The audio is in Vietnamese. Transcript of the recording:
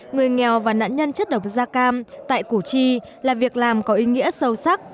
người nghèo và nạn nhân chất độc da cam tại củ chi là việc làm có ý nghĩa sâu sắc